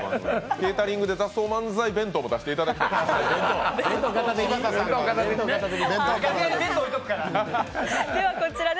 ケータリングで漫才弁当も出していただきたい。